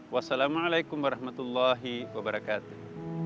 wassalamualaikum warahmatullahi wabarakatuh